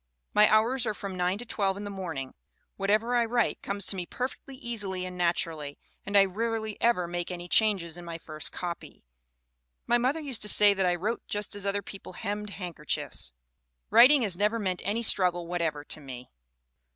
"My hours are from 9 to 12 in the morning. What ever I write comes to me perfectly easily and natu rally, and I rarely ever make any change in my first copy. My mother used to say that I wrote just as other people hemmed handkerchiefs. Writing has never meant any struggle whatever to me.